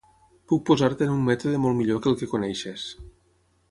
Puc posar-te en un mètode molt millor que el que coneixes...